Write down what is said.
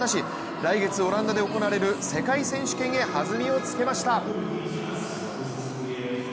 来月オランダで行われる世界選手権へ弾みをつけました。